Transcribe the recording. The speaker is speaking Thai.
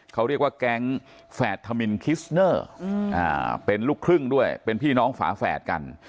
เขาเรียกว่าแก๊งแฝดธมินคิสเนอร์เป็นลูกครึ่งด้วยเป็นพี่น้องฝาแฝดกัน